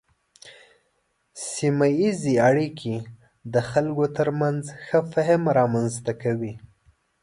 سیمه ایزې اړیکې د خلکو ترمنځ ښه فهم رامنځته کوي.